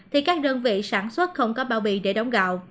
thì các đơn vị sản xuất không có bao bì để đóng gạo